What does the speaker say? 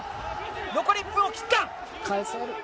残り１分を切った。